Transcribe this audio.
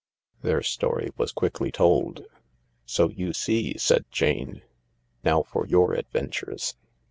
Their story was quickly told. " So you see," said Jane. "Now for your adventures."